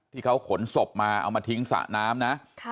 ที่เขาขนศพมาเอามาทิ้งสระน้ำนะ